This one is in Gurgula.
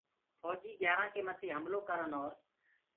ڦوجيٚ گھيارآنٚ ڪي مٿي هملو ڪرن اور